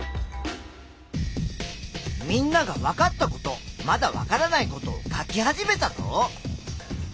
みんながわかったことまだわからないことを書き始めたぞ。